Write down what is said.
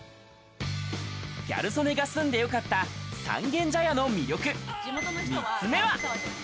ギャル曽根が住んでよかった三軒茶屋の魅力、３つ目は。